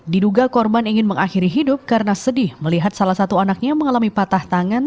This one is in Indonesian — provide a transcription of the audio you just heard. diduga korban ingin mengakhiri hidup karena sedih melihat salah satu anaknya mengalami patah tangan